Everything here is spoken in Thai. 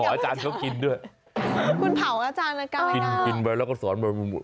อาจารย์คืออะไรหรอคุณ